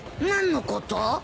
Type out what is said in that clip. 何のこと？